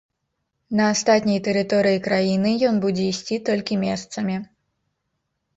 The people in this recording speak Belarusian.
На астатняй тэрыторыі краіны ён будзе ісці толькі месцамі.